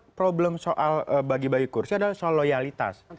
itu kan yang di luar problem bagi bayi kursi adalah soal loyalitas